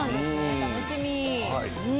楽しみ。